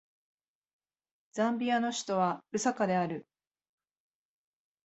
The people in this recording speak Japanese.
ザンビアの首都はルサカである